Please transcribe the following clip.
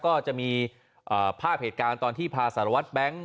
ก็จะมีภาพเหตุการณ์ตอนที่พาสารวัตรแบงค์